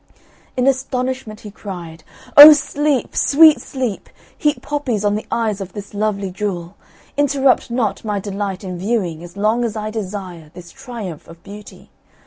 In astonishment he cried, "O sleep, sweet sleep! heap poppies on the eyes of this lovely jewel; interrupt not my delight in viewing as long as I desire this triumph of beauty.